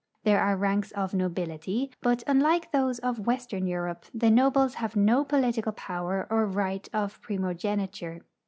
There are ranks of nobility, but, unlike those of Avestern Europe, the nobles have no [)olitical poAver or right of primogeniture.